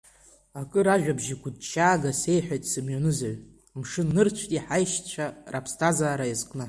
Акыр ажәабжь гәыҭшьаага сеиҳәеит сымҩанызаҩ мшын-нырцәтәи ҳашьцәа рыԥсҭазаара иазкны.